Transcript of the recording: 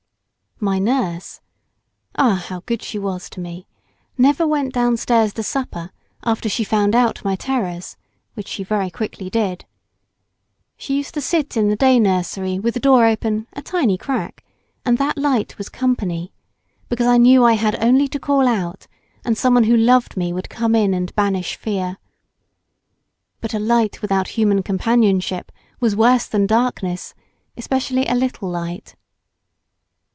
My nurse—ah, how good she was to me—never went downstairs to supper after she found out my terrors which she very quickly did. She used to sit in the day nursery with the door open "a tiny crack," and that light was company, because I knew I had only to call out, and someone who loved me would come and banish fear. But a light without human companionship was worse than darkness, especially a little light.